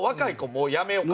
もうやめよか。